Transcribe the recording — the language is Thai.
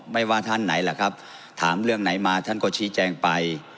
ว่าท่านไหนล่ะครับถามเรื่องไหนมาท่านก็ชี้แจงไป